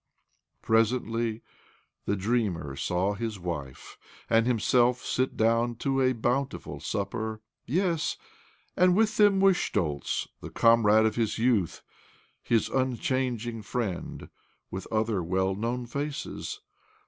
Presently the dreamer saw his wife and himself sit down to a bountiful supper. Yes, and with them was Schtoltz, the com rade of his youth, his unchanging friend, with other well known faces.